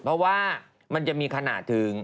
เพราะว่ามันจะมีขนาดถึง